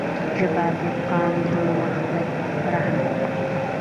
ژبه د قام د وحدت رښه ده.